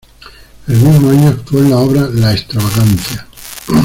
El mismo año actuó en la obra "La extravagancia".